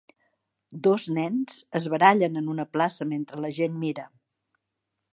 Dos nens es barallen en una plaça mentre la gent mira.